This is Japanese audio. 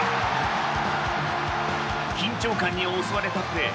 緊張感に襲われたプレー。